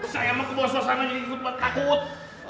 saya emang kebawa suasana jadi ikut banget takut